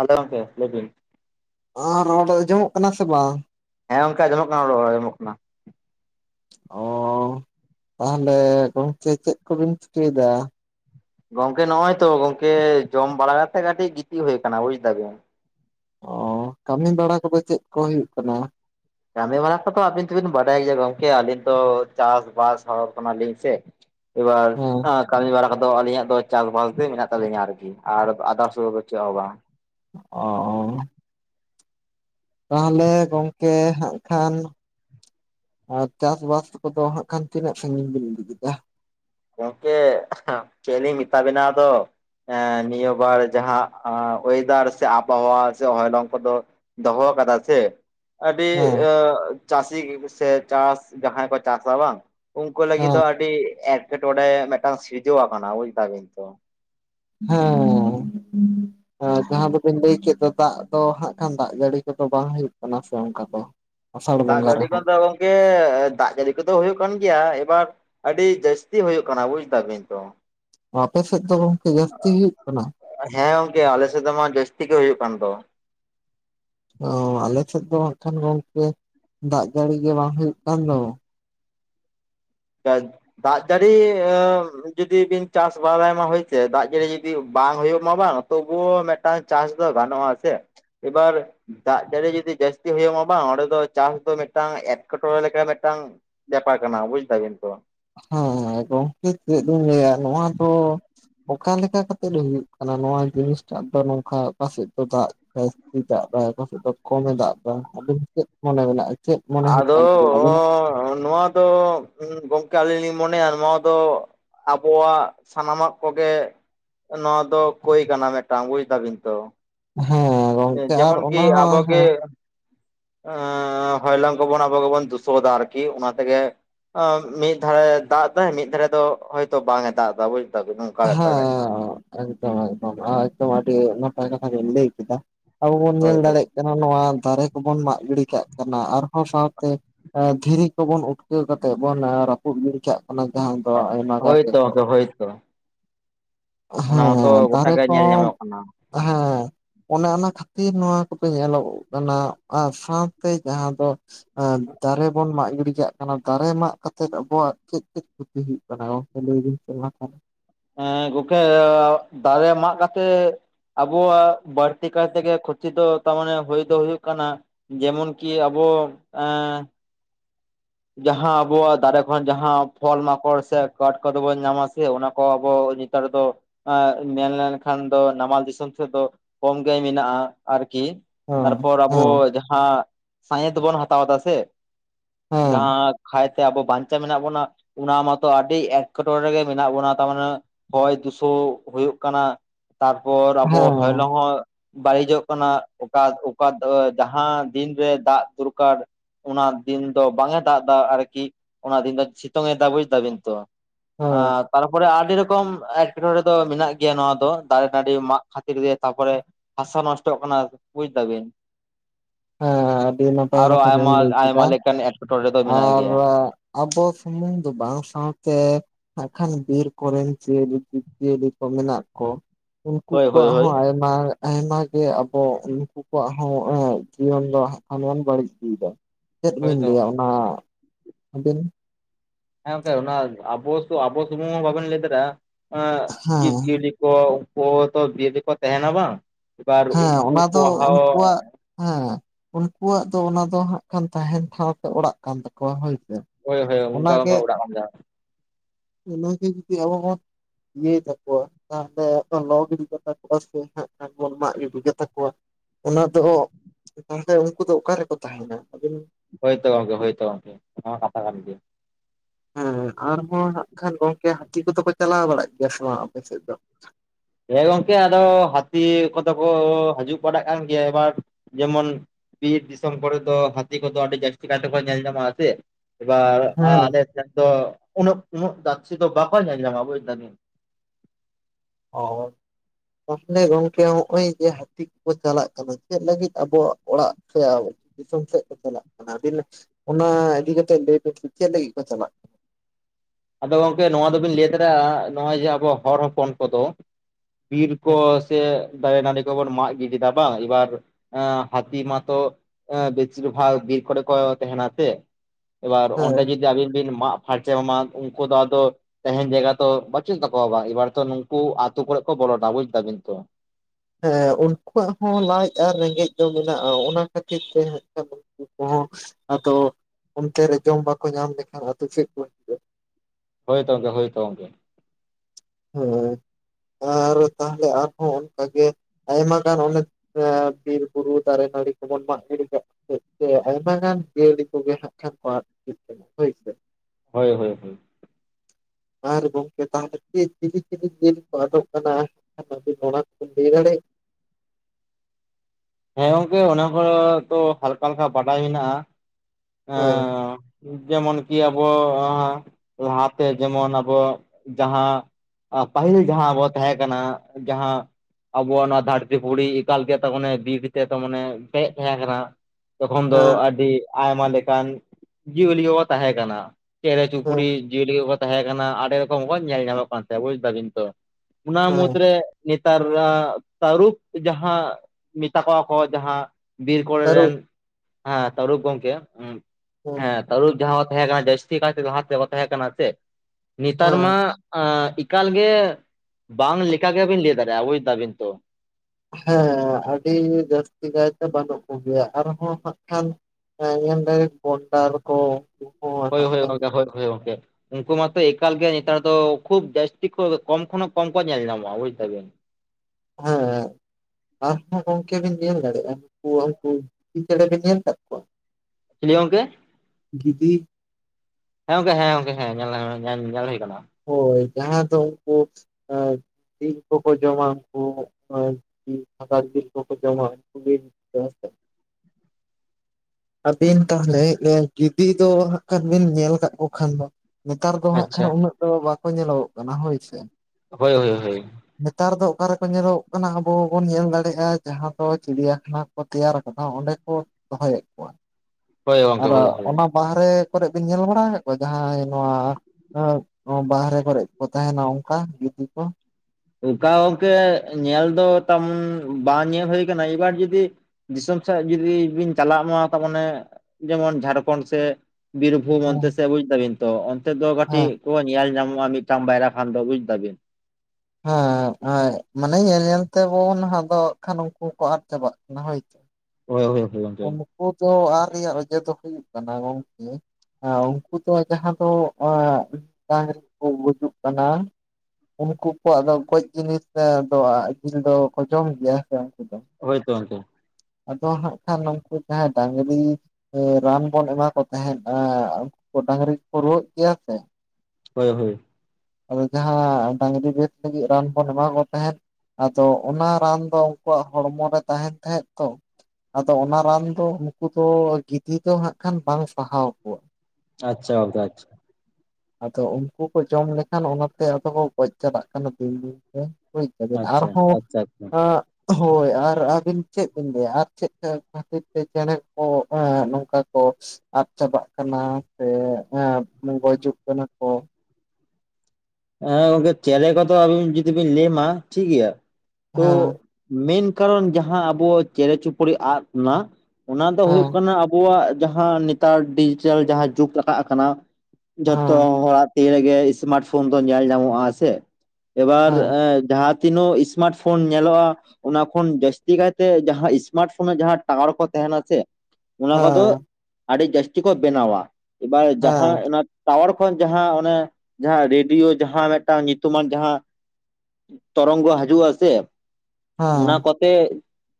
ᱟᱸᱫᱚᱝᱠᱮ ᱞᱟᱹᱭ ᱵᱤᱱ? ᱦᱟᱸ ᱱᱚᱣᱟ ᱴᱟᱝ ᱫᱚ ᱟᱸᱡᱚᱢᱚᱜ ᱠᱟᱱᱟ ᱥᱮ ᱵᱟᱝ? ᱦᱮᱸ ᱜᱚᱝᱠᱮ ᱟᱸᱡᱚᱢᱚᱜ ᱠᱟᱱᱟ ᱨᱚᱲ ᱟᱸᱡᱚᱢᱚᱜ ᱠᱟᱱᱟ᱾ ᱚᱻ ᱛᱟᱦᱚᱞᱮ ᱜᱚᱝᱠᱮ ᱪᱮᱫ ᱠᱚᱵᱤᱱ ᱪᱤᱠᱟᱹᱭ ᱫᱟ? ᱜᱚᱝᱠᱮ ᱱᱚᱜᱼᱚᱭ ᱛᱚ ᱜᱚᱝᱠᱮ ᱡᱚᱢ ᱵᱟᱲᱟ ᱠᱟᱛᱮ ᱠᱟᱹᱴᱤᱡ ᱜᱤᱛᱤᱡ ᱦᱩ ᱟᱠᱟᱱᱟ ᱵᱩᱡ ᱫᱟᱵᱤᱱ᱾ ᱚᱻ ᱠᱟᱹᱢᱤ ᱵᱟᱲᱟ ᱠᱚᱫᱚ ᱪᱮᱫ ᱠᱚ ᱦᱩᱭᱩᱜ ᱠᱟᱱᱟ? ᱠᱟᱹᱢᱤ ᱵᱟᱲᱟ ᱠᱚᱫᱚ ᱟᱵᱤᱱ ᱛᱚᱵᱤᱱ ᱵᱟᱰᱟᱭ ᱜᱮᱭᱟ ᱜᱚᱢᱠᱮ ᱟᱹᱞᱤᱧ ᱫᱚ ᱪᱟᱥᱼᱵᱟᱥ ᱦᱚᱲ ᱠᱟᱱᱟᱞᱤᱧ ᱥᱮ᱾ ᱮᱵᱟᱨ ᱦᱮᱸ ᱟ ᱠᱟᱹᱢᱤ ᱵᱟᱲᱟ ᱠᱚᱫᱚ ᱟᱹᱞᱤᱧᱟᱜ ᱫᱚᱼᱼ ᱪᱟᱥᱵᱟᱥ ᱜᱮ ᱢᱮᱱᱟᱜ ᱛᱟᱹᱟᱞᱤᱧᱟ ᱟᱨᱠᱤ ᱟᱨ ᱟᱫᱟᱨᱥ ᱫᱚ ᱵᱟᱪᱩᱜᱼᱟ ᱦᱚᱸ ᱵᱟᱝ᱾ ᱚᱻ ᱛᱟᱦᱚᱞᱮ ᱜᱚᱝᱠᱮ ᱦᱟᱸᱜ ᱠᱷᱟᱱᱼᱼ ᱟᱨ ᱪᱟᱥᱵᱟᱥ ᱠᱚᱫᱚ ᱦᱟᱸᱜ ᱠᱷᱟᱱ ᱛᱤᱱᱟᱹᱜ ᱥᱟᱺᱜᱤᱧ ᱵᱮᱱ ᱤᱫᱤ ᱠᱮᱫᱟ? ᱜᱚᱝᱠᱮ ᱪᱮᱞᱤᱧ ᱢᱮᱛᱟ ᱵᱮᱱᱟ ᱟᱫᱚ᱾ ᱮᱸ ᱱᱤᱭᱟᱹ ᱵᱟᱨ ᱡᱟᱦᱟᱸ ᱚᱻ ᱳᱭᱮᱫᱟᱨ ᱥᱮ ᱟᱵᱚᱦᱟᱣᱟ ᱥᱮ ᱦᱚᱭᱞᱚᱝᱠᱚ ᱫᱚᱼᱼ ᱫᱚᱦᱚᱣ ᱟᱠᱟᱫᱟᱭ ᱥᱮ᱾ ᱟᱹᱰᱤ ᱦᱮᱸ ᱮᱸ ᱪᱟᱥᱤ ᱥᱮ ᱪᱟᱥ ᱡᱟᱦᱟᱸᱭ ᱠᱚ ᱪᱟᱥᱟ ᱵᱟᱝᱼᱼ ᱩᱱᱠᱩ ᱞᱟᱹᱜᱤᱫ ᱫᱚ ᱦᱮᱸ ᱟᱹᱰᱤ ᱮᱴᱠᱮᱴᱚᱬᱮ ᱢᱤᱫᱴᱟᱝ ᱥᱤᱨᱡᱟᱹᱣ ᱟᱠᱟᱱᱟ ᱵᱩᱡ ᱫᱟᱵᱤᱱ ᱛᱚ᱾ ᱦᱚᱸ ᱡᱟᱦᱟᱸ ᱫᱚᱵᱤᱱ ᱞᱟᱹᱭ ᱠᱮᱫ ᱫᱚ ᱫᱟᱜᱼᱼ ᱫᱚ ᱦᱟᱸᱜ ᱠᱷᱟᱱ ᱫᱟᱜ ᱡᱟᱹᱲᱤ ᱠᱚᱫᱚ ᱵᱟᱝ ᱦᱩᱭᱩᱜ ᱠᱟᱱᱟ ᱥᱮ ᱚᱱᱠᱟ ᱫᱚ᱾ ᱟᱥᱟᱲ ᱫᱟᱜ ᱵᱚᱸᱜᱟ ᱡᱟᱹᱲᱤ ᱨᱮᱦᱚᱸ ᱠᱚᱫᱚ ᱜᱚᱝᱠᱮ ᱫᱟᱜ ᱡᱟᱹᱲᱤ ᱠᱚᱫᱚ ᱦᱩᱭᱩᱜ ᱠᱟᱱ ᱜᱮᱭᱟ ᱮᱵᱟᱨᱼᱼ ᱟᱹᱰᱤ ᱡᱟᱹᱥᱛᱤ ᱦᱩᱭᱩᱜ ᱠᱟᱱᱟ ᱵᱩᱡᱽ ᱫᱟ ᱵᱤᱱ ᱛᱚ᱾ ᱟᱯᱮ ᱥᱮᱫ ᱫᱚ ᱜᱚᱝᱠᱮ ᱡᱟᱹᱥᱛᱤ ᱦᱩᱭᱩᱜ ᱠᱟᱱᱟ? ᱦᱮᱸ ᱜᱚᱝᱠᱮ ᱟᱞᱮ ᱥᱮᱫ ᱫᱚ ᱢᱟ ᱡᱟᱹᱥᱛᱤ ᱜᱮ ᱦᱩᱭᱩᱜ ᱠᱟᱱ ᱫᱚ᱾ ᱚ ᱟᱞᱮ ᱥᱮᱫ ᱫᱚ ᱦᱟᱸᱜ ᱠᱷᱟᱱ ᱜᱚᱝᱠᱮ ᱫᱟᱜ ᱡᱟᱹᱲᱤ ᱜᱮ ᱵᱟᱝ ᱦᱩᱭᱩᱜ ᱠᱟᱱ ᱫᱚ᱾ [unintelligible] ᱫᱟᱜ ᱡᱟᱹᱲᱤ ᱮᱸ ᱡᱩᱫᱤ ᱵᱤᱱ ᱪᱟᱥ ᱵᱟᱫᱟᱭᱢᱟ ᱦᱚᱭᱥᱮ ᱫᱟᱜ ᱡᱟᱹᱲᱤ ᱡᱩᱫᱤ ᱵᱟᱝ ᱦᱩᱭᱩᱜ ᱢᱟ ᱵᱟᱝᱼᱼ ᱛᱚᱵᱩᱼᱳ ᱢᱮᱫᱴᱟᱝ ᱪᱟᱥ ᱫᱚ ᱜᱟᱱᱚᱜᱼᱟ ᱥᱮ᱾ ᱮᱵᱟᱨᱼᱼ ᱫᱟᱜ ᱡᱟᱹᱲᱤ ᱡᱩᱫᱤ ᱡᱟᱹᱥᱛᱤ ᱦᱩᱭᱩᱜᱭ ᱢᱟ ᱵᱟᱝ ᱚᱸᱰᱮ ᱫᱚ ᱪᱟᱥ ᱫᱚ ᱢᱮᱫᱴᱟᱝ ᱮᱴᱠᱮᱴᱬᱮ ᱞᱮᱠᱟ ᱢᱮᱫᱴᱟᱝᱼᱼ ᱵᱮᱯᱟᱨ ᱠᱟᱱᱟ ᱵᱩᱡ ᱫᱟᱵᱤᱱ ᱛᱚ᱾ ᱦᱩᱸ ᱜᱚᱝᱠᱮ ᱪᱮᱫ ᱫᱚᱧ ᱞᱟᱹᱭᱟ ᱱᱚᱣᱟ ᱫᱚᱼᱼ ᱚᱠᱟ ᱞᱮᱠᱟ ᱠᱟᱛᱮᱫ ᱦᱩᱭᱩᱜ ᱠᱟᱱᱟ ᱱᱚᱣᱟ ᱡᱤᱱᱤᱥ ᱴᱟᱜ ᱫᱚ ᱱᱚᱝᱠᱟ ᱚᱠᱟᱥᱮᱫ ᱫᱚ ᱫᱟᱜᱼᱼ ᱡᱟᱹᱥᱛᱤ ᱫᱟᱜ ᱫᱟᱭ ᱚᱠᱟ ᱥᱮᱫ ᱫᱚ ᱠᱚᱢᱮ ᱫᱟᱜ ᱮᱫᱟᱭ ᱟᱵᱤ [inaudible] ᱪᱮᱫ ᱢᱚᱱᱮ ᱢᱮᱱᱟᱜᱼᱟ᱾ ᱪᱮᱫ ᱢᱚᱱᱮ ᱦᱩᱭᱩᱜ ᱠᱟᱱ ᱟᱫᱚ ᱛᱟᱵᱤᱱᱟ ᱟᱵᱤᱱᱟᱜ? ᱚᱸ ᱱᱚᱣᱟ ᱫᱚ ᱜᱚᱝᱠᱮ ᱟᱹᱞᱤᱧ ᱞᱤᱧ ᱢᱚᱱᱮᱭᱟ ᱱᱚᱣᱟ ᱫᱚᱼᱼ ᱟᱵᱚᱣᱟᱜ ᱥᱟᱱᱟᱢᱟᱜ ᱠᱚᱜᱮᱼᱼ ᱱᱚᱣᱟ ᱫᱚ ᱠᱳᱭ ᱠᱟᱱᱟ ᱢᱤᱫᱴᱟᱝ ᱵᱩᱡ ᱫᱟᱵᱤᱱ ᱛᱚ ᱦᱮᱸ ᱜᱚᱝᱠᱮ ᱟᱨ ᱡᱮᱢᱚᱱᱠᱤ ᱚᱱᱟ ᱟᱵᱚ ᱦᱚᱸ ᱜᱮᱼᱼ ᱦᱮᱸ ᱮᱸᱻ ᱦᱚᱭᱞᱚᱝ ᱠᱚᱵᱚᱱ ᱟᱵᱚ ᱜᱮᱵᱚᱱ ᱫᱩᱥᱟᱹᱣᱫᱟ ᱟᱨᱠᱤ ᱚᱱᱟ ᱛᱮᱜᱮᱼᱼ ᱮ ᱢᱤᱫ ᱫᱷᱟᱨᱮ ᱫᱟᱜ ᱫᱟᱭ ᱢᱤᱫ ᱫᱷᱟᱨᱮ ᱫᱚ ᱦᱚᱭᱛᱚ ᱵᱟᱝ ᱮ ᱫᱟᱜ ᱮᱫᱟ ᱵᱩᱡ᱾ ᱫᱟᱵᱤᱱ ᱱᱚᱝᱠᱟ ᱵᱮᱯᱟᱨ ᱢᱤᱫᱴᱟᱝ ᱦᱮᱸ ᱮᱠᱚᱫᱚᱢ ᱮᱠᱚᱫᱚᱢ ᱟᱫᱚ ᱟᱹᱰᱤ ᱱᱟᱯᱟᱭ ᱠᱟᱛᱷᱟ ᱵᱮᱱ ᱞᱟᱹᱭ ᱠᱮᱫᱟ ᱾ ᱟᱵᱚ ᱵᱚᱱ ᱦᱳᱭ ᱧᱮᱞ ᱦᱳᱭ ᱫᱟᱲᱮᱜ ᱠᱟᱱᱟ ᱱᱚᱣᱟ ᱫᱟᱨᱮ ᱠᱚᱵᱚᱱ ᱢᱟᱜ ᱜᱤᱰᱤ ᱠᱟᱜ ᱠᱟᱱᱟ ᱟᱨᱦᱚᱸ ᱥᱟᱶᱛᱮᱼᱼ ᱟᱼᱫᱷᱤᱨᱤ ᱠᱚᱵᱚᱱ ᱩᱴᱠᱟᱹᱣ ᱠᱟᱛᱮᱜ ᱵᱚᱱ ᱨᱟᱹᱯᱩᱫ ᱜᱤᱰᱤ ᱠᱟᱜ ᱠᱟᱱᱟ ᱡᱟᱦᱟᱸ ᱫᱚ ᱟᱭᱢᱟ ᱜᱟᱱ ᱦᱩᱭ ᱦᱳᱭᱛᱚ ᱜᱚᱝᱠᱮ ᱠᱚᱜᱼᱟ᱾ ᱦᱳᱭᱛᱚ ᱚᱱᱟ ᱢᱟᱛᱚ ᱦᱮᱸ ᱜᱚᱴᱟ ᱛᱟᱦᱟᱨᱮ ᱜᱮ ᱧᱮᱞ ᱠᱚᱢ ᱧᱟᱢᱚᱜ ᱠᱟᱱᱟ ᱦᱮᱸ ᱚᱱᱮ ᱚᱱᱟ ᱠᱷᱟᱹᱛᱤᱨ ᱱᱚᱣᱟ ᱠᱚᱫᱚ ᱧᱮᱞᱚᱜ ᱠᱟᱱᱟ ᱟᱨ ᱥᱟᱶᱛᱮ ᱡᱟᱦᱟᱸ ᱫᱚᱼᱼ ᱫᱟᱨᱮ ᱵᱚᱱ ᱢᱟᱜ ᱜᱤᱰᱤ ᱠᱟᱜ ᱠᱟᱱᱟ ᱫᱟᱨᱮ ᱢᱟᱜ ᱠᱟᱛᱮᱜ ᱟᱵᱚᱣᱟᱜ ᱪᱮᱫ ᱪᱮᱫ [unintelligible] ᱠᱷᱩᱚᱛᱤ ᱦᱩᱭᱩᱜ ᱠᱟᱱᱟ ᱞᱟᱹᱭ ᱪ ᱮᱸ ᱜᱚᱝᱠᱮ ᱫᱟᱨᱮ ᱢᱟᱜ ᱠᱟᱛᱮ ᱟᱵᱚᱣᱟᱜ ᱵᱟᱹᱲᱛᱤ ᱠᱟᱭᱛᱮᱜᱮ ᱠᱷᱚᱛᱤ ᱫᱚ ᱛᱟᱨᱢᱟᱱᱮ ᱦᱩᱭ ᱫᱚ ᱦᱩᱭᱩᱜ ᱠᱟᱱᱟ ᱡᱮᱢᱚᱱ ᱠᱤ ᱟᱵᱚ ᱟᱸ ᱡᱟᱦᱟᱸ ᱟᱵᱚᱣᱟᱜ ᱫᱟᱨᱮ ᱠᱷᱚᱱ ᱡᱟᱦᱟᱸ ᱯᱷᱚᱞ ᱢᱟᱠᱚᱲ ᱥᱮ ᱠᱟᱴ ᱠᱚᱫᱚ ᱵᱚᱱ ᱧᱟᱢᱟ ᱥᱮ ᱚᱱᱟᱠᱚ ᱟᱵᱚ ᱮᱛᱟᱨ ᱫᱚ ᱮ ᱢᱮᱱᱞᱮᱱ ᱠᱷᱟᱱ ᱫᱚ ᱱᱟᱢᱟᱞ ᱫᱤᱥᱚᱢ ᱥᱮᱫ ᱫᱚ ᱠᱚᱢ ᱜᱮ ᱢᱮᱱᱟᱜᱼᱟ ᱟᱨ ᱠᱤ ᱦᱮᱸ ᱛᱟᱨᱯᱚᱨ ᱟᱵᱚ ᱦᱮᱸ ᱡᱟᱦᱟᱸ ᱥᱟᱦᱮᱸᱫ ᱵᱚᱱ ᱦᱟᱛᱟᱣ ᱮᱫᱟ ᱥᱮ ᱦᱮᱸ ᱡᱟᱦᱟᱸ ᱠᱷᱟᱭ ᱛᱮ ᱟᱵᱚ ᱵᱟᱧᱪᱟᱣ ᱢᱮᱱᱟᱜ ᱵᱚᱱᱟ ᱚᱱᱟ ᱢᱟᱛᱚ ᱟᱹᱰᱤ ᱮᱴᱠᱮᱴᱚᱲᱮᱸ ᱨᱮᱜᱮ ᱢᱮᱱᱟᱜ ᱵᱚᱱᱟ ᱛᱟᱨᱢᱟᱱᱮ ᱦᱚᱭ ᱫᱩᱥᱩ ᱦᱩᱭᱩᱜ ᱠᱟᱱᱟ ᱛᱟᱨᱯᱚᱨ ᱟᱵᱚ ᱦᱮᱸ ᱦᱚᱭᱞᱚᱝ ᱦᱚᱸ ᱵᱟᱹᱲᱤᱡᱚᱜ ᱠᱟᱱᱟ ᱚᱠᱟ ᱚᱠᱟ ᱡᱟᱦᱟᱸ ᱫᱤᱱᱨᱮ ᱫᱟᱜ ᱫᱚᱨᱠᱟᱨ ᱚᱱᱟ ᱫᱤᱱ ᱫᱚ ᱵᱟᱝ ᱮ ᱫᱟᱜ ᱮᱫᱟ ᱟᱨᱠᱤ ᱚᱱᱟ ᱫᱤᱱ ᱫᱚ ᱥᱤᱛᱩᱝ ᱮᱫᱟ ᱵᱩᱡ ᱫᱟᱵᱤᱱ ᱛᱚ ᱦᱮᱸ ᱟ ᱛᱟᱨᱯᱚᱨ ᱟᱰᱤ ᱨᱚᱠᱚᱢ ᱮᱰ ᱮᱴᱠᱮᱴᱚᱬᱮ ᱫᱚ ᱢᱮᱱᱟᱜ ᱜᱮᱭᱟ ᱱᱚᱣᱟ ᱫᱚ ᱫᱟᱨᱮ ᱱᱟᱹᱲᱤ ᱢᱟᱜ ᱠᱷᱟᱹᱛᱤᱨ ᱜᱮ ᱛᱟᱨᱯᱚᱨᱮ ᱦᱟᱥᱟ ᱱᱚᱥᱴᱚᱜ ᱠᱟᱱᱟ ᱵᱩᱡᱽ ᱫᱟᱵᱤᱱ ᱦᱮᱸ ᱟᱹᱰᱤ ᱱᱟᱯᱟᱭ ᱟᱨᱚ ᱠᱟᱛᱷᱟ ᱵᱮᱤᱱ ᱟᱭᱢᱟ ᱞᱟᱹᱭ ᱟᱭᱢᱟ ᱠᱮᱫᱟ ᱞᱮᱠᱟᱱ ᱮᱴᱠᱮᱴᱚᱬᱮ ᱫᱚ ᱢᱮᱱᱟᱜ ᱟᱨᱻ ᱜᱮᱭᱟ ᱟᱵᱚ ᱥᱩᱢᱩᱝ ᱫᱚ ᱵᱟᱝ ᱥᱟᱶᱛᱮ ᱟᱨᱠᱷᱟᱱ ᱵᱤᱨ ᱠᱚᱨᱮᱱ ᱡᱤᱭᱟᱹᱞᱤ ᱡᱤᱵ ᱡᱤᱭᱟᱹᱞᱤ ᱠᱚ ᱢᱮᱱᱟᱜ ᱠᱚ ᱩᱱᱠᱩ ᱦᱳᱭ ᱦᱳᱭ ᱠᱚᱣᱟᱜ ᱦᱳᱭ ᱦᱚᱸ ᱟᱭᱢᱟ ᱟᱭᱢᱟᱜᱮ ᱟᱵᱚ ᱩᱱᱠᱩ ᱠᱚᱣᱟᱜ ᱦᱚᱸ ᱮᱡ ᱡᱤᱭᱚᱱ ᱫᱚ ᱟᱢᱮᱢ ᱵᱟᱹᱲᱤᱡ ᱤᱫᱤ ᱮᱫᱟ ᱪᱮᱫ ᱦᱳᱭ ᱵᱤᱱ ᱛᱚ ᱞᱟᱹᱭᱼᱟ ᱚᱱᱟ ᱟᱹᱵᱤᱱ ᱦᱮᱸ ᱜᱚᱝᱠᱮ ᱚᱱᱟ ᱟᱵᱚ ᱥᱮ ᱟᱵᱚ ᱥᱩᱢᱩᱝ ᱦᱚᱸ ᱵᱟᱵᱮᱱ ᱞᱟᱹᱭ ᱫᱟᱲᱮᱭᱟᱜᱼᱟ ᱡᱤᱵ ᱦᱮᱸ ᱡᱤᱭᱟᱹᱞᱤ [unintelligible] ᱩᱱᱠᱩ ᱛᱚ ᱵᱤᱭᱮ ᱛᱮᱠᱚ ᱛᱟᱦᱮᱱᱟ ᱵᱟᱝ ᱮᱵᱟᱨ ᱦᱮᱸ ᱩᱱᱠᱩ ᱚᱱᱟ ᱫᱚ ᱯᱦᱟᱣ ᱩᱱᱠᱩᱣᱟᱜ ᱦᱮᱸ ᱩᱱᱠᱩᱣᱟᱜ ᱫᱚ ᱚᱱᱟ ᱫᱚ ᱦᱟᱸᱜ ᱠᱷᱟᱱ ᱛᱟᱦᱮᱱ ᱴᱷᱟᱶ ᱥᱮ ᱚᱲᱟᱜ ᱠᱟᱱ ᱛᱟᱠᱚᱣᱟ ᱦᱳᱭᱥᱮ ᱦᱳᱭ ᱦᱳᱭ ᱚᱱᱠᱟ ᱚᱱᱠᱟ ᱚᱲᱟᱜ ᱦᱚᱢ ᱧᱟᱢᱟ ᱤᱱᱟᱜ ᱜᱮ ᱡᱩᱫᱤ ᱟᱵᱚ ᱵᱚᱱ ᱤᱭᱟᱹᱭ ᱛᱟᱠᱚᱣᱟ ᱛᱟᱦᱚᱞᱮ ᱞᱚ ᱜᱤᱰᱤ ᱠᱟᱜ ᱛᱟᱠᱚᱶᱟ ᱥᱮ ᱦᱟᱜ ᱠᱷᱟᱱ ᱵᱚᱱ ᱢᱟᱜ ᱜᱤᱰᱤ ᱠᱟᱜ ᱛᱟᱠᱚᱶᱟ ᱚᱱᱟ ᱫᱚ ᱛᱟᱦᱞᱮ ᱩᱱᱠᱩ ᱫᱚ ᱚᱠᱟ ᱨᱮᱠᱚ ᱛᱟᱦᱮᱱᱟ ᱟᱹᱵᱤᱱ ᱦᱚᱭᱛᱚ ᱜᱚᱢᱠᱮ ᱦᱚᱭᱛᱚ ᱜᱚᱢᱠᱮ ᱱᱚᱣᱟ ᱠᱟᱛᱷᱟ ᱠᱟᱱ ᱜᱮᱭᱟ ᱦᱮᱸ ᱟᱨᱦᱚᱸ ᱱᱟᱦᱟᱜ ᱠᱷᱟᱱ ᱜᱚᱝᱠᱮ ᱦᱟᱹᱛᱤ ᱠᱚᱫᱚ ᱠᱚ ᱪᱟᱞᱟᱣ ᱵᱟᱲᱟᱜ ᱜᱮᱭᱟ ᱥᱮ ᱵᱟᱝ ᱟᱯᱮ ᱥᱮᱫ ᱫᱚ? ᱦᱮᱸ ᱜᱚᱝᱠᱮ ᱟᱫᱚ ᱦᱟᱹᱛᱤ ᱠᱚᱫᱚ ᱠᱚ ᱦᱤᱡᱩᱜ ᱵᱟᱲᱟᱜ ᱠᱟᱱ ᱜᱮᱭᱟ ᱮᱵᱟᱨ ᱡᱮᱢᱚᱱ ᱵᱤᱨ ᱫᱤᱥᱚᱢ ᱠᱚᱨᱮ ᱫᱚ ᱦᱟᱹᱛᱤ ᱠᱚᱫᱚ ᱟᱹᱰᱤ ᱡᱟᱹᱥᱛᱤ ᱠᱟᱛᱮ ᱠᱚ ᱧᱮᱞ ᱧᱟᱢᱚᱜᱼ ᱟ ᱡᱮ ᱮᱵᱟᱨ ᱦᱮᱸ ᱟᱞᱮ ᱴᱷᱮᱱ ᱫᱚ ᱩᱱᱟᱹᱜ ᱩᱱᱟᱹᱜ ᱡᱟᱥᱛᱤ ᱫᱚ ᱵᱟᱠᱚ ᱧᱮᱞ ᱧᱟᱢᱟ ᱵᱩᱡ ᱫᱟ ᱵᱤᱱ ᱚ ᱛᱟᱦᱚᱞᱮ ᱜᱚᱝᱠᱮᱭ ᱦᱚᱜᱚᱭ ᱡᱮ ᱴᱤᱠ ᱠᱚ ᱪᱟᱞᱟᱜ ᱠᱟᱱᱟ ᱪᱮᱫ ᱞᱟᱹᱜᱤᱫ ᱟᱵᱚᱣᱟᱜ ᱚᱲᱟᱜ ᱥᱮ ᱫᱤᱥᱚᱢ ᱥᱮᱫ ᱠᱚ ᱪᱟᱞᱟᱜ ᱠᱟᱱᱟ ᱟᱹᱵᱤᱞᱟᱠᱥ ᱚᱱᱟ ᱤᱫᱤ ᱠᱟᱛᱮᱫ ᱵᱮᱰ ᱫᱚ ᱪᱮᱫ ᱞᱟᱹᱜᱤᱫ ᱠᱚ ᱪᱟᱞᱟᱜ ᱠᱟᱱᱟ? ᱟᱫᱚ ᱜᱚᱝᱠᱮ ᱱᱚᱣᱟ ᱫᱚᱵᱤᱱ ᱞᱟᱹᱭ ᱟᱠᱟᱫᱟ ᱱᱚᱜᱚᱭ ᱡᱮ ᱟᱵᱚ ᱦᱚᱨ ᱦᱚᱯᱚᱱ ᱠᱚᱫᱚ ᱵᱤᱨ ᱠᱚ ᱠᱟᱱᱟ? ᱥ ᱥᱮ, ᱫᱟᱨᱮ ᱱᱟᱹᱲᱤ ᱠᱚᱵᱚᱱ ᱢᱟᱜ ᱜᱤᱰᱤ ᱮᱫᱟ ᱵᱟᱝ? ᱮᱹᱵᱟᱨ ᱮᱸ ᱦᱟᱹᱛᱤ ᱢᱟᱛᱚ ᱮᱸ, ᱵᱤᱥᱤᱨ ᱵᱷᱟᱜ ᱵᱤᱨ ᱠᱚᱨᱮ ᱠᱚ ᱛᱮᱦᱮᱱᱟ ᱥᱮ ᱾ ᱮᱵᱟᱨ ᱦᱮᱸ ᱚᱸᱰᱮ ᱡᱩᱫᱤ ᱟᱵᱤᱱ ᱵᱤᱱ ᱢᱟᱜ ᱯᱷᱟᱨᱪᱟᱭ ᱢᱟ ᱩᱱᱠᱩ ᱫᱚ ᱟᱫᱚ ᱛᱟᱦᱮᱱ ᱡᱟᱭᱜᱟ ᱛᱚ ᱵᱟᱹᱪᱩᱜ ᱛᱟᱠᱚᱣᱟ ᱵᱟ ᱮᱵᱟᱨ ᱛᱚ ᱱᱩᱝ ᱠᱩ ᱟᱛᱩ ᱠᱚᱨᱮ ᱠᱚ ᱵᱚᱞᱚᱱᱟ ᱵᱩᱡᱽ-ᱫᱟ ᱵᱤᱱ ᱛᱚ᱾ ᱦᱮᱸ, ᱩᱱᱠᱩᱣᱟᱜ ᱦᱚᱸ ᱞᱟᱡ ᱟᱨ ᱨᱮᱸᱜᱮᱡ ᱫᱚ ᱢᱮᱱᱟᱜᱼᱟ ᱚᱱᱟ ᱠᱷᱟᱹᱛᱤᱨ ᱛᱮ ᱦᱟᱸᱜ ᱠᱷᱟᱱ ᱯᱚᱸᱠ-ᱥ ᱟᱫᱚ ᱚᱱᱛᱮ ᱨᱮ ᱡᱚᱢ ᱵᱟᱠᱚ ᱧᱟᱢ ᱞᱮᱠᱷᱟᱱ ᱟᱛᱚ ᱥᱮᱫ ᱠᱚ ᱦᱤᱡᱩᱜᱼᱟ᱾ ᱦᱳᱭ ᱛ ᱜᱚᱢᱠᱮ ᱦᱳᱭ ᱛᱟᱵᱚᱱ ᱯᱮ ᱾ ᱦᱮᱸ, ᱟᱨ ᱛᱟᱦᱞᱮ ᱟᱨᱦᱚᱸᱵᱷᱟᱜᱮ ᱟᱭᱢᱟ ᱜᱟᱱ ᱚᱱᱮ ᱮᱸ, ᱵᱤᱨ ᱵᱩᱨᱩ ᱫᱟᱨᱮᱱᱟᱹᱲᱤ ᱠᱚ ᱵᱚᱱ ᱢᱟᱜ ᱜᱤᱰᱤᱠᱟᱜ ᱠᱟ ᱟᱭᱢᱟ ᱜᱟᱱ ᱡᱤᱭᱟᱹᱞᱤ ᱠᱚ ᱜᱮ ᱦᱟᱜ ᱵᱚᱱ ᱟᱫ ᱠᱮᱫ ᱠᱚᱶᱟ ᱦᱳᱭ ᱥᱮ ᱦᱳᱭ ᱦᱳᱭ ᱦᱳᱭ ᱟᱨ ᱜᱚᱝᱠᱮ ᱛᱟᱦᱚᱞᱮ ᱪᱮᱫ ᱪᱤᱞᱤ ᱪᱤᱞᱤ ᱡᱤᱭᱟᱹᱞᱤ ᱠᱚ ᱟᱫᱚᱜ ᱠᱟᱱᱟ ᱮᱱᱠᱷᱟᱱ ᱟᱵᱤᱱ ᱚᱱᱟ ᱠᱚᱵᱤᱱ ᱞᱟᱹᱭ ᱫᱟᱲᱮᱭᱟᱜᱼᱟ ᱦᱮᱸ ᱜᱚᱝᱠᱮ ᱚᱱᱟ ᱠᱚ ᱛᱚ ᱦᱟᱞᱠᱟ ᱦᱟᱞᱠᱟ ᱵᱟᱰᱟᱭ ᱦᱮᱱᱟᱜ-ᱟ᱾ ᱦᱮᱸ ᱡᱮᱢᱚᱱᱠᱤ ᱟᱵᱚ ᱞᱟᱦᱟᱛᱮ ᱡᱮᱢᱚᱱ ᱟᱵᱚ ᱡᱟᱦᱟᱸ ᱯᱟᱹᱦᱤᱞ ᱡᱟᱦᱟᱸ ᱟᱵᱚ ᱛᱟᱦᱮᱸ ᱠᱟᱱᱟ ᱡᱟᱦᱟᱸ ᱟᱵᱚᱣᱟᱜ ᱱᱚᱣᱟ ᱫᱷᱟᱹᱨᱛᱤ ᱯᱩᱨᱤ ᱮᱠᱟᱞ ᱛᱮ ᱢᱟᱱᱮ ᱵᱤᱨ ᱛᱮ ᱢᱟᱱᱮ ᱯᱮᱨᱮᱡ ᱛᱟᱦᱮᱸ ᱠᱟᱱᱟ᱾ ᱛᱚᱠᱷᱚᱱ ᱫᱚ, ᱦᱮᱸ ᱟᱹᱰᱤ ᱟᱭᱢᱟ ᱞᱮᱠᱟᱱ ᱡᱤᱣᱟᱹᱞᱤ ᱦᱚᱸᱠᱚ ᱛᱟᱦᱮᱸ ᱠᱟᱱᱟ᱾ ᱪᱮᱬᱮ ᱦᱮᱸ ᱪᱩᱯᱲᱤ ᱡᱤᱭᱟᱹᱞᱤ ᱦᱚᱸᱠᱚ ᱛᱟᱦᱮᱸ ᱠᱟᱱᱟ ᱟᱹᱰᱤ ᱨᱚᱠᱚᱢ ᱠᱚ ᱧᱮᱞ ᱧᱟᱢᱚᱜ ᱠᱟᱱ ᱛᱟᱦᱮᱸ ᱵᱩᱡᱽ-ᱫᱟ ᱵᱤᱱ ᱛᱚ ᱾ ᱚᱱᱟ ᱦᱮᱸ ᱢᱩᱫᱽᱨᱮ ᱱᱮᱛᱟᱨ-ᱨᱟ, ᱛᱟᱹᱨᱩᱵ ᱡᱟᱦᱟᱸ ᱢᱮᱛᱟ ᱠᱚᱣᱟ ᱠᱚ ᱡᱟᱦᱟᱸ ᱵᱤᱨ ᱠᱚᱨᱮ ᱛᱟᱹᱨᱩᱵ ᱨᱮᱱ ᱟᱸ ᱛᱟᱨᱩᱵ ᱜᱚᱝᱠᱮ ᱩᱸ- ᱦᱮᱸ ᱛᱟᱹᱨᱩᱵ ᱡᱟᱦᱟᱸ ᱵᱷᱟᱵ ᱛᱟᱦᱮᱸ ᱠᱟᱱᱟ ᱡᱟᱹᱥᱛᱤ ᱠᱟᱭᱛᱮ ᱞᱟᱦᱟᱛᱮᱠᱚ ᱛᱟᱦᱮᱸ ᱠᱟᱱᱟ ᱥᱮ ᱱᱮᱛᱟᱨ ᱦᱮᱸ ᱢᱟ ᱮᱠᱟᱞ ᱜᱮ ᱵᱟᱝ ᱞᱮᱠᱟ ᱜᱮᱵᱤᱱ ᱞᱟᱹᱭ ᱫᱟᱲᱮᱭᱟᱜ-ᱟ ᱵᱩᱡᱽ- ᱫᱟ ᱵᱤᱱ ᱛᱚ᱾ ᱦᱮᱸ ᱟᱹᱰᱤ ᱡᱟᱹᱥᱛᱤ ᱠᱟᱭᱛᱮ ᱵᱟᱹᱱᱩᱜ ᱠᱚ ᱜᱮᱭᱟ ᱟᱨᱦᱚᱸ ᱦᱟᱸᱜ ᱠᱷᱟᱱ ᱧᱮᱞ ᱫᱟᱞᱤᱧ ᱯᱚᱥᱴᱟᱨ ᱠᱚ ᱩᱱᱠᱩ ᱦᱚᱸ ᱦᱳᱭ ᱦᱟᱸᱜ ᱦᱳᱭ ᱠᱷᱟᱱ ᱚᱱᱠᱟ ᱦᱳᱭ ᱦᱳᱭ ᱜᱚᱢᱠᱮ᱾ ᱩᱱᱠᱩ ᱢᱟᱛᱚ ᱮᱠᱟᱞ ᱜᱮ ᱱᱮᱛᱟᱨ ᱫᱚ ᱠᱷᱩᱵ ᱡᱟᱹᱥᱛᱤ ᱠᱚᱢ ᱠᱷᱚᱱ ᱦᱚᱸ ᱠᱚᱢ ᱠᱚ ᱧᱮᱞ ᱧᱟᱢᱚᱜ-ᱟ ᱵᱩᱡ ᱫᱟᱵᱤᱱ᱾ ᱦᱮᱸ᱾ ᱟᱨᱦᱚᱸ ᱜᱚᱝᱠᱮ ᱵᱤᱱ ᱧᱮᱞ ᱫᱟᱲᱮᱭᱟᱜ-ᱟ ᱩᱱᱠᱩ ᱩᱱᱠᱩ ᱪᱤᱞ ᱪᱮᱬᱮ ᱵᱮᱱ ᱧᱮᱞ ᱟᱠᱟᱫ ᱠᱚᱣᱟ? ᱪᱮᱞᱮ ᱜᱚᱢᱠᱮ? ᱜᱤᱫᱤ᱾ ᱦᱮᱸ ᱜᱚᱝᱠᱮ ᱦᱮᱸ ᱜᱚᱝᱠᱮ ᱦᱮᱸ ᱧᱮᱞ ᱧᱮᱞ ᱧᱮᱞ ᱦᱩᱭ ᱟᱠᱟᱱᱟ᱾ ᱦᱳᱭ ᱡᱟᱦᱟᱸ ᱫᱚ ᱩᱱᱠᱩ ᱡᱤᱞ ᱠᱚᱠᱚ ᱡᱚᱢᱟ ᱩᱱᱠᱩ ᱢᱟᱱᱮ [unintelligible] ᱡᱤᱞ ᱠᱚᱠᱚ ᱡᱚᱢᱟ᱾ [unintelligible] ᱟᱹᱵᱤᱱ ᱛᱟᱦᱚᱞᱮ ᱜᱤᱫᱤ ᱫᱚ ᱦᱟᱸᱜ ᱠᱷᱟᱱ ᱵᱤᱱ ᱧᱮᱞ ᱟᱠᱟᱫ ᱠᱚ ᱠᱷᱟᱱ ᱫᱚ᱾ ᱱᱮᱛᱟᱨ ᱫᱚ ᱦᱟᱸᱜ ᱠᱷᱟᱱ ᱟᱪᱪᱷᱟ ᱩᱱᱟᱹᱜ ᱫᱚ ᱵᱟᱠᱚ ᱧᱮᱞᱚᱜᱚᱜ ᱠᱟᱱᱟ ᱦᱳᱭᱥᱮ? ᱦᱳᱭ ᱦᱳᱭ ᱦᱳᱭ ᱱᱮᱛᱟᱨ ᱫᱚ ᱚᱠᱟ ᱨᱮᱠᱚ ᱧᱮᱞᱚᱜ-ᱜ ᱠᱟᱱᱟ ᱟᱵᱚ ᱦᱚᱵᱚᱱ ᱧᱮᱞ ᱫᱟᱲᱮᱭᱟᱜ-ᱟ ᱡᱟᱦᱟᱸ ᱫᱚ ᱪᱤᱲᱤᱭᱟ ᱠᱷᱟᱱᱟ᱾ ᱠᱚ ᱛᱮᱭᱟᱨ ᱟᱠᱟᱫᱟ ᱚᱸᱰᱮ ᱠᱚ ᱫᱚᱦᱚᱭᱮᱫ ᱠᱚᱣᱟ᱾ ᱦᱳᱭ ᱜᱚᱝᱠᱮ ᱟᱨ ᱦᱳᱭ ᱦᱳᱭ ᱚᱱᱟ ᱵᱟᱦᱨᱮ ᱠᱚᱨᱮ ᱵᱤᱱ ᱧᱮᱞ ᱵᱟᱲᱟ ᱟᱠᱟᱫ ᱠᱚᱣᱟ ᱡᱟᱦᱟᱸᱭ ᱱᱚᱣᱟ ᱱᱚᱣᱟ ᱵᱟᱦᱨᱮ ᱠᱚᱨᱮ ᱠᱚ ᱛᱟᱦᱮᱸᱱᱟ ᱚᱱᱠᱟ ᱜᱤᱫᱤ ᱠᱚ᱾ ᱚᱱᱠᱟ ᱜᱚᱝᱠᱮ ᱧᱮᱞ ᱫᱚ ᱛᱟᱨᱢᱟᱱᱮ ᱵᱟᱝ ᱧᱮᱞ ᱦᱩᱭ ᱟᱠᱟᱱᱟ ᱮᱵᱟᱨ ᱡᱩᱫᱤ ᱫᱤᱥᱚᱢ ᱥᱮᱫ ᱡᱩᱫᱤ ᱵᱤᱱ ᱪᱟᱞᱟᱜ ᱢᱟ ᱛᱟᱨ ᱢᱟᱱᱮ ᱡᱮᱢᱚᱱ ᱡᱷᱟᱲᱠᱷᱚᱸᱰ ᱥᱮ ᱵᱤᱨᱵᱷᱩᱢ ᱦᱮᱸ ᱚᱱᱛᱮ ᱥᱮ ᱵᱩᱡ ᱫᱟᱵᱤᱱ ᱛᱚ ᱚᱱᱛᱮ ᱫᱚ ᱠᱟᱹᱴᱤᱡ ᱦᱮᱸ ᱛᱚ ᱧᱮᱞ ᱧᱟᱢᱚᱜ-ᱟ ᱢᱤᱫᱴᱟᱝ ᱵᱟᱭᱨᱟ ᱠᱷᱟᱱ ᱫᱚ ᱵᱩᱡ ᱫᱟᱵᱤᱱ᱾ ᱦᱮᱸ ᱦᱮᱸ ᱢᱟᱱᱮ ᱧᱮᱞ ᱧᱮᱞ ᱛᱮᱵᱚᱱ ᱟᱫᱚ ᱠᱷᱟᱱ ᱩᱱᱠᱩ ᱠᱚ ᱟᱫ ᱪᱟᱵᱟᱜ ᱠᱟᱱᱟ ᱦᱳᱭᱛᱚ? ᱦᱳᱭ ᱦᱳᱭ ᱜᱚᱢᱠᱮ᱾ ᱩᱱᱠᱩ ᱫᱚ ᱨᱟᱱ ᱨᱮᱭᱟᱜ ᱚᱡᱮ ᱫᱚ ᱦᱩᱭᱩᱜ ᱠᱟᱱᱟ ᱜᱚᱢᱠᱮ ᱩᱱᱠᱩ ᱫᱚ ᱡᱟᱦᱟᱸ ᱫᱚ ᱢᱤᱫ ᱴᱟᱝ ᱨᱮᱠᱚ ᱜᱩᱡᱩᱜ ᱠᱟᱱᱟ ᱩᱱᱠᱩ ᱠᱚᱣᱟᱜ ᱫᱚ ᱜᱚᱡ ᱡᱤᱱᱤᱥ ᱨᱮᱭᱟᱜ ᱫᱚ ᱡᱤᱞ ᱫᱚᱠᱚ ᱡᱚᱢ ᱜᱮᱭᱟ ᱥᱮ ᱵᱟᱝᱠᱩ ᱫᱚ ᱦᱳᱭ ᱛᱚ ᱜᱚᱝᱠᱮ ᱟᱫᱚ ᱦᱟᱸᱜ ᱠᱷᱟᱱ ᱱᱩᱠᱩ ᱡᱟᱦᱟᱸᱭ ᱰᱟᱝᱨᱤ ᱨᱟᱱ ᱵᱚᱱ ᱮᱢᱟ ᱠᱚ ᱛᱟᱦᱮᱸᱫ ᱩᱱᱠᱩ ᱰᱟᱝᱨᱤ ᱠᱚ ᱠᱚ ᱨᱩᱣᱟᱹᱜ ᱜᱮᱭᱟ ᱥᱮ ᱦᱳᱭ ᱦᱳᱭ ᱟᱫᱚ ᱡᱟᱦᱟᱸ ᱰᱟᱝᱨᱤ ᱵᱮᱥ ᱞᱟᱹᱜᱤᱫ ᱨᱟᱱ ᱵᱚᱱ ᱮᱢᱟ ᱠᱚ ᱛᱟᱦᱮᱸᱫ ᱟᱫᱚ ᱚᱱᱟ ᱨᱟᱱ ᱫᱚ ᱩᱱᱠᱩᱣᱟᱜ ᱦᱚᱲᱢᱚ ᱨᱮ ᱛᱟᱦᱮᱱ ᱛᱟᱦᱮᱸᱜ ᱛᱚ ᱟᱫᱚ ᱚᱱᱟ ᱨᱟᱱ ᱫᱚ ᱩᱱᱠᱩ ᱫᱚ ᱜᱤᱫᱤ ᱫᱚ ᱦᱟᱸᱜ ᱠᱷᱟᱱ ᱵᱟᱝ ᱥᱟᱦᱟᱣ ᱠᱚᱣᱟ᱾ ᱟᱪᱪᱷᱟ ᱟᱱᱠᱟ ᱟᱪᱪᱷᱟ᱾ [unintelligible] ᱟᱫᱚ ᱩᱱᱠᱩ ᱠᱚ ᱡᱚᱢ ᱞᱮᱠᱷᱟᱱ ᱚᱱᱟᱛᱮ ᱟᱫᱚ ᱠᱚ ᱜᱚᱡ ᱪᱟᱵᱟᱜ ᱠᱟᱱᱟ ᱫᱤᱱ ᱫᱤᱱ ᱯᱟᱹᱭᱠᱟᱨᱤ ᱟᱪᱪᱷᱟ ᱟᱨᱦᱚᱸ ᱟᱪᱪᱷᱟ ᱟᱪᱪᱷᱟ ᱦᱟᱸᱜ ᱦᱳᱭ ᱟᱨ ᱟᱹᱵᱤᱱ ᱪᱮᱫ ᱵᱤᱱ ᱞᱟᱹᱭᱟ ᱟᱨ ᱪᱮᱫ ᱠᱷᱟᱹᱛᱤᱨ ᱛᱮ ᱪᱮᱬᱮ ᱠᱚ ᱱᱚᱝᱠᱟ ᱠᱚ ᱟᱫ ᱪᱟᱵᱟᱜ ᱠᱟᱱᱟ ᱥᱮ ᱜᱩᱡᱩᱜ ᱠᱟᱱᱟ ᱠᱚ ᱦᱮᱸ ᱜᱚᱝᱠᱮ ᱪᱮᱬᱮ ᱠᱚᱫᱚ ᱟᱵᱤᱱ ᱡᱩᱫᱤ ᱵᱤᱱ ᱞᱟᱹᱭᱢᱟ ᱴᱷᱤᱠ ᱜᱮᱭᱟ ᱛᱚ ᱦᱮᱸ ᱢᱮᱱ ᱠᱟᱨᱚᱱ ᱡᱟᱦᱟᱸ ᱟᱵᱚᱣᱟᱜ ᱪᱮᱬᱮ ᱪᱩᱯᱲᱤ ᱟᱫ ᱨᱮᱱᱟᱜ ᱚᱱᱟ ᱫᱚ ᱦᱩᱭᱩᱜ ᱦᱮᱸ ᱠᱟᱱᱟ ᱟᱵᱚᱣᱟᱜ ᱡᱟᱦᱟᱸ ᱱᱮᱛᱟᱨ ᱰᱤᱡᱤᱴᱮᱞ ᱡᱟᱦᱟᱸ ᱡᱩᱜᱽ ᱨᱟᱠᱟᱵ ᱠᱟᱱᱟ ᱡᱚᱛᱚ ᱦᱮᱸ ᱦᱚᱲᱟᱜ ᱛᱤ ᱨᱮᱜᱮ ᱥᱢᱟᱨᱴ ᱯᱷᱳᱱ ᱫᱚ ᱧᱮᱞ ᱧᱟᱢᱚᱜ-ᱟ ᱥᱮ ᱮᱵᱟᱨ ᱦᱮᱸ ᱡᱟᱦᱟᱸ ᱛᱤᱱᱟᱹᱜ ᱥᱢᱟᱨᱴ ᱯᱷᱳᱱ ᱧᱮᱞᱚᱜᱼᱟ ᱚᱱᱟ ᱠᱷᱚᱱ ᱡᱟᱹᱥᱛᱤ ᱠᱟᱭᱛᱮ ᱡᱟᱦᱟᱸ ᱥᱢᱟᱨᱴ ᱯᱷᱳᱱ ᱨᱮᱱᱟᱜ ᱡᱟᱦᱟᱸ ᱴᱟᱣᱟᱨ ᱠᱚ ᱛᱟᱦᱮᱸᱱᱟ ᱥᱮ ᱚᱱᱟ ᱠᱚᱫᱚ ᱦᱮᱸ ᱟᱹᱰᱤ ᱡᱟᱹᱥᱛᱤ ᱠᱚ ᱵᱮᱱᱟᱣᱟ ᱮᱵᱟᱨ ᱦᱮᱸ ᱡᱟᱦᱟᱸ ᱚᱱᱟ ᱴᱟᱣᱟᱨ ᱠᱷᱚᱱ ᱡᱟᱦᱟᱸ ᱚᱱᱮ ᱡᱟᱦᱟᱸ ᱨᱮ ᱡᱟᱦᱟᱸ ᱢᱤᱫᱴᱟᱝ ᱧᱩᱛᱩᱢᱟᱱ ᱡᱟᱦᱟᱸ ᱛᱚᱨᱚᱝᱜᱚ ᱦᱤᱡᱩᱜ-ᱟ ᱥᱮ ᱚᱱᱟ ᱦᱮᱸ ᱠᱚᱛᱮ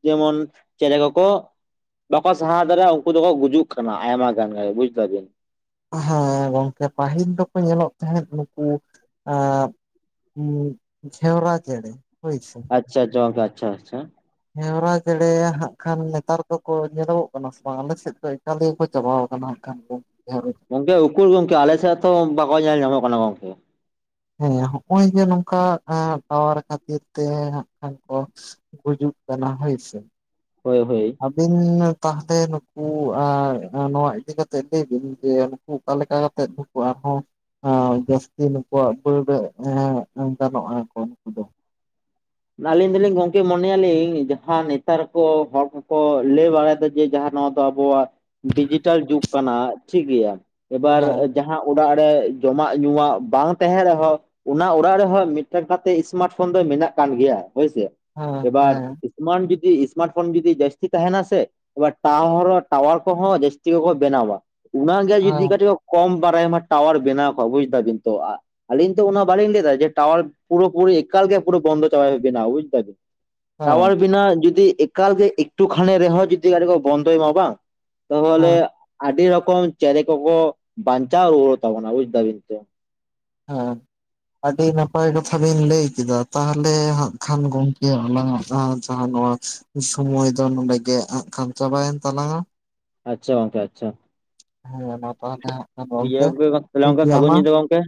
ᱡᱮᱢᱚᱱ ᱪᱮᱬᱮ ᱠᱚ ᱠᱚ ᱵᱟᱠᱚ ᱥᱟᱦᱟᱣ ᱫᱟᱲᱮᱭᱟᱜᱼᱟ ᱩᱱᱠᱩ ᱫᱚᱠᱚ ᱜᱩᱡᱩᱜ ᱠᱟᱱᱟ ᱟᱭᱢᱟ ᱜᱟᱱ ᱜᱮ ᱵᱩᱡ ᱫᱟᱵᱤᱱ ᱦᱮᱸ ᱜᱚᱝᱠᱮ ᱯᱟᱹᱦᱤᱞ ᱫᱚᱠᱚ ᱧᱮᱞᱚᱜ ᱛᱟᱦᱮᱸᱫ ᱱᱩᱠᱩ ᱡᱷᱮᱣᱨᱟ ᱪᱮᱬᱮ ᱦᱳᱭ ᱥᱮ ᱟᱪᱪᱷᱟ ᱜᱟᱢᱠᱮ ᱟᱪᱪᱷᱟ ᱟᱪᱪᱷᱟ ᱜᱷᱮᱣᱨᱟ ᱪᱮᱸᱲᱮ ᱦᱟᱸᱜ ᱠᱷᱟᱱ ᱱᱮᱛᱟᱨ ᱫᱚᱠᱚ ᱧᱮᱞᱚᱜ ᱠᱟᱱᱟ ᱥᱮ ᱵᱟᱝ ᱟᱞᱮ ᱥᱮᱫ ᱫᱚ ᱮᱠᱟᱞ ᱪᱟᱵᱟᱣ ᱟᱠᱟᱱᱟ ᱦᱟᱸᱜ ᱠᱷᱟᱱ ᱜᱚᱝᱠᱮ ᱩᱠᱩᱨ ᱜᱚᱝᱠᱮ ᱟᱞᱮᱥᱮᱫ ᱛᱚ ᱵᱟᱠᱚ ᱧᱮᱞ ᱧᱟᱢᱚᱜ ᱠᱟᱱᱟ ᱜᱚᱝᱠᱮ ᱦᱮᱸ ᱦᱚᱜ ᱚᱭ ᱡᱮ ᱱᱚᱝᱠᱟ ᱴᱟᱣᱟᱨ ᱠᱷᱟᱹᱛᱤᱨ ᱛᱮ ᱦᱟᱜ ᱠᱷᱟᱱ ᱠᱚ ᱜᱩᱡᱩᱜ ᱠᱟᱱᱟ ᱦᱳᱭᱥᱮ ᱦᱳᱭ ᱦᱳᱭ ᱟᱹᱵᱤᱱ ᱛᱟᱦᱚᱞᱮ ᱱᱩᱠᱩ ᱱᱚᱣᱟ ᱤᱫᱤ ᱠᱟᱛᱮᱜ ᱞᱟᱹᱭ ᱵᱤᱱ ᱡᱮ ᱚᱠᱟ ᱞᱮᱠᱟ ᱠᱟᱛᱮᱫ ᱫᱚᱠᱩ ᱟᱨᱦᱚᱸ ᱟ ᱡᱟᱹᱥᱛᱤ ᱱᱩᱠᱩᱣᱟᱜ ᱵᱟ, ᱰ ᱨᱮ ᱜᱟᱱᱚᱜᱼᱟ ᱠᱚ ᱱᱩᱠᱩ ᱫᱚ ᱟᱹᱞᱤᱧ ᱫᱚᱞᱤᱧ ᱜᱚᱝᱠᱮ ᱢᱚᱱᱮᱭᱟᱞᱤᱧ ᱡᱟᱦᱟᱸ ᱱᱮᱛᱟᱨ ᱠᱚ ᱦᱚᱲ ᱠᱚᱠᱚ ᱞᱟᱹᱭ ᱵᱟᱲᱟᱭ ᱫᱚ ᱡᱮ ᱡᱟᱦᱟᱸ ᱱᱚᱣᱟ ᱫᱚ ᱟᱵᱚᱣᱟᱜ ᱰᱤᱡᱤᱴᱟᱞ ᱡᱩᱜᱽ ᱠᱟᱱᱟ ᱴᱷᱤᱠᱜᱮᱭᱟ ᱮᱵᱟᱨ ᱦᱮᱸ ᱡᱟᱦᱟᱸ ᱚᱲᱟᱜ ᱨᱮ ᱡᱚᱢᱟᱜ ᱧᱩᱣᱟᱜ ᱵᱟᱝ ᱛᱟᱦᱮᱸᱱ ᱨᱮᱦᱚᱸ ᱚᱱᱟ ᱚᱲᱟᱜ ᱨᱮᱦᱚᱸ ᱢᱤᱫᱴᱟᱝ ᱠᱟᱛ ᱥᱢᱟᱨᱴ ᱯᱷᱳᱱ ᱫᱚ ᱢᱮᱱᱟᱜ ᱠᱟᱱ ᱜᱮᱭᱟ ᱦᱳᱭᱥᱮ ᱦᱮᱸ ᱮᱵᱟᱨ ᱦᱮᱸ ᱥᱢᱟᱨᱴ ᱡᱩᱫᱤ ᱥᱢᱟᱨᱴ ᱯᱷᱳᱱ ᱡᱩᱫᱤ ᱡᱟᱹᱥᱛᱤ ᱛᱟᱦᱮᱱᱟ ᱥᱮ ᱟᱵᱟᱨ ᱴᱟᱣᱟᱨ ᱠᱚᱦᱚᱸ ᱡᱟᱹᱥᱛᱤ ᱠᱚᱠᱚ ᱵᱮᱱᱟᱣᱟ ᱚᱱᱟᱜᱮ ᱦᱮᱸ ᱡᱩᱫᱤ ᱠᱟᱹᱴᱤᱡ ᱠᱚᱢ ᱵᱟᱲᱟᱭᱢᱟ ᱴᱟᱣᱟᱨ ᱵᱮᱱᱟᱣ ᱠᱚᱜ ᱵᱩᱡ ᱫᱟᱵᱤᱱ ᱛᱚᱜ [unintelligible] ᱟᱞᱤᱧ ᱛᱚ ᱚᱱᱟ ᱵᱟᱞᱤᱧ ᱞᱟᱹᱭ ᱮᱫᱟ ᱡᱮ ᱴᱟᱣᱟᱨ ᱯᱩᱨᱟᱹ ᱯᱩᱨᱤ ᱮᱠᱟᱞ ᱜᱮ ᱯᱩᱨ ᱵᱚᱱᱫᱚ ᱵᱮᱱᱟ ᱵᱩᱡ ᱫᱟᱵᱤᱱ ᱦᱮᱸ ᱴᱟᱣᱟᱨ ᱵᱮᱱᱟᱣ ᱡᱤ [unintelligible] ᱮᱠᱟᱞ ᱜᱮ ᱮᱠᱴᱩ ᱠᱷᱟᱱᱮ ᱨᱮᱦᱚᱸ ᱡᱚᱫᱤ ᱟᱹᱰᱤ ᱠᱚ ᱵᱚᱱᱫᱚᱭ ᱢᱟ ᱵᱟᱝ ᱛᱟᱦᱚᱞᱮ ᱦᱮᱸ ᱟᱹᱰᱤ ᱨᱚᱠᱚᱢ ᱪᱮᱬᱮ ᱠᱚᱠᱚ ᱵᱟᱧᱪᱟᱣ ᱨᱩᱣᱟᱹᱲ ᱛᱟᱵᱚᱱᱟ ᱵᱩᱡ ᱫᱟᱵᱤᱱ ᱥᱮ ᱦᱮᱸ ᱟᱹᱰᱤ ᱱᱟᱯᱟᱭ ᱠᱟᱛᱷᱟ ᱵᱤᱱ ᱞᱟᱹᱭ ᱠᱮᱫᱟ ᱛᱟᱦᱚᱞᱮ ᱦᱟᱸᱜ ᱠᱷᱟᱱ ᱜᱚᱢᱠᱮ ᱟᱞᱟᱝᱟᱜ ᱡᱟᱦᱟᱸ ᱱᱚᱣᱟ ᱥᱩᱢᱚᱭ ᱫᱚ ᱱᱚᱰᱮ ᱜᱮ ᱠᱷᱟᱱ ᱪᱟᱵᱟᱭᱮᱱ ᱛᱟᱞᱟᱝᱟ ᱟᱪᱪᱷᱟ ᱜᱚᱝᱠᱮ ᱟᱪᱪᱷᱟ ᱦᱮᱸ ᱢᱟ ᱛᱟᱦᱞᱮ ᱴᱷᱤᱠ ᱜᱚᱢᱠᱮ ᱜᱮᱭᱟ ᱜᱚᱝᱠᱮ ᱛᱟᱦᱚᱞᱮ ᱴᱷᱤᱠ ᱜᱚᱝᱠᱮ ᱜᱮᱭᱟ ᱥᱟᱹᱜᱩᱱ ᱢᱟ ᱧᱤᱫᱟᱹ ᱜᱚᱝᱠᱮ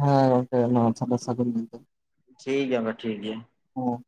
ᱦᱮᱸ ᱚᱱᱠᱟ ᱜᱮ ᱢᱟ ᱛᱟᱦᱚᱞᱮ ᱥᱟᱹᱜᱩᱱ ᱧᱤᱫᱟ. ᱴᱷᱤᱠ ᱜᱮᱭᱟ ᱢᱟ ᱴᱷᱤᱠ ᱜᱮᱭᱟ ᱦᱩᱸ